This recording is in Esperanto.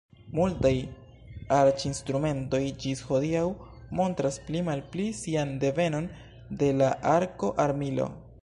Multaj arĉinstrumentoj ĝis hodiaŭ montras pli malpli sian devenon de la arko-armilo.